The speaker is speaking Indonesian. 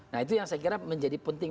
nah itu yang saya kira menjadi penting